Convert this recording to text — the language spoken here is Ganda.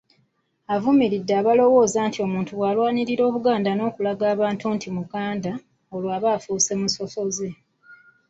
Avumiridde abalowooza nti omuntu bw’alwanirira Buganda n’okulaga abantu nti Muganda, olwo aba afuuse musosoze.